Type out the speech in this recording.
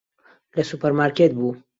لە سوپەرمارکێت بوو.